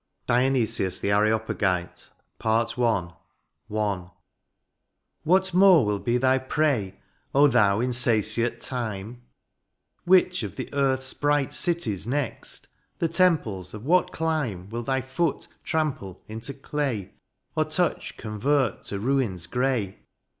DIONYSIUS, THE AREOPAGITE* PART I. I. What more will be thy prey ? Oh thou insatiate time ! Which of the earth^s bright cities next. The temples of what clime^ Will thy foot trample into clay^ Or touch convert to ruins grey